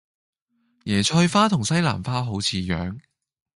椰菜花同西蘭花好似樣